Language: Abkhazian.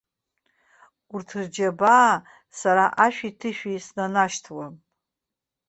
Урҭ рџьабаа сара ашәиҭышәи снанашьҭуам!